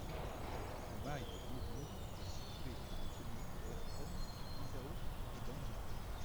Le Mail de Maubourg est situé sur les communes de Bertren, d'Izaourt et d'Anla.